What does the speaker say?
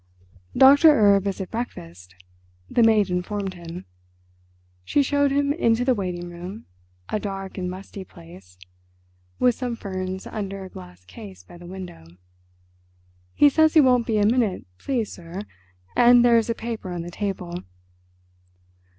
"Doctor Erb is at breakfast," the maid informed him. She showed him into the waiting room, a dark and musty place, with some ferns under a glass case by the window. "He says he won't be a minute, please, sir, and there is a paper on the table."